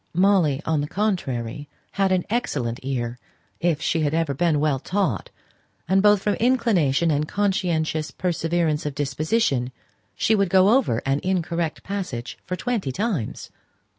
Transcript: Molly, on the contrary, had an excellent ear, if she had ever been well taught; and both from inclination and conscientious perseverance of disposition, she would go over an incorrect passage for twenty times.